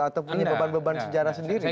atau punya beban beban sejarah sendiri